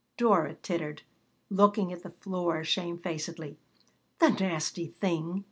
Dora tittered, looking at the floor shamefacedly. "The nasty thing!"